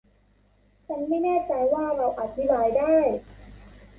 ฉันไม่แน่ใจว่าเราอธิบายได้